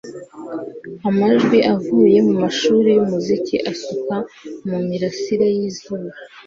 amajwi avuye mumashuri yumuziki asuka mumirasire yizuba